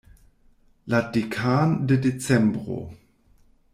La dekan de Decembro!